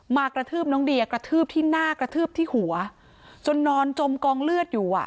มากระทืบน้องเดียกระทืบที่หน้ากระทืบที่หัวจนนอนจมกองเลือดอยู่อ่ะ